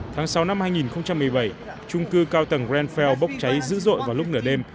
tháng sáu năm hai nghìn một mươi bảy trung cư cao tầng grand fael bốc cháy dữ dội vào lúc nửa đêm